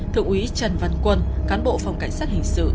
thượng úy trần văn quân cán bộ phòng cảnh sát hình sự